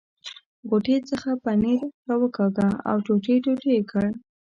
غوټې څخه پنیر را وکاږه او ټوټې ټوټې یې کړ.